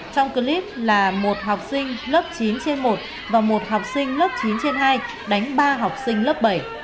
trong clip là một học sinh lớp chín trên một và một học sinh lớp chín trên hai đánh ba học sinh lớp bảy